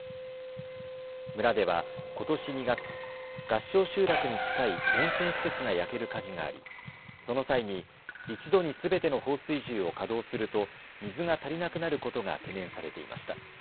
村ではことし２月、合掌集落に近い温泉施設が焼ける火事がありその際に１度にすべての放水銃を稼働すると水が足りなくなることが懸念されていました。